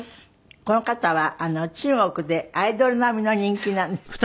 この方は中国でアイドル並みの人気なんですって？